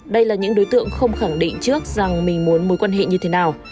đây là những đối tượng không khẳng định trước rằng mình muốn mối quan hệ như thế nào